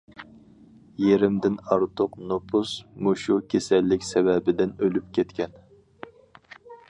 ( يېرىمدىن ئارتۇق نوپۇس مۇشۇ كېسەللىك سەۋەبىدىن ئۆلۈپ كەتكەن.)